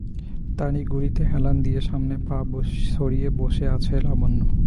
তারই গুঁড়িতে হেলান দিয়ে সামনে পা ছড়িয়ে বসে আছে লাবণ্য।